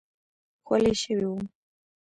خولې شوی وم.